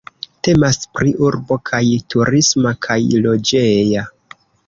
Temas pri urbo kaj turisma kaj loĝeja.